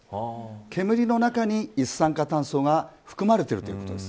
煙の中に一酸化炭素が含まれているということです。